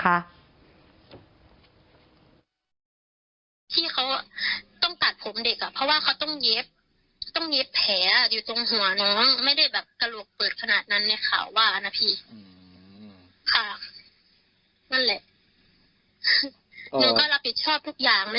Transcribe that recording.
ค่านั่นแหละหนูก็รับผิดชอบทุกอย่างนะ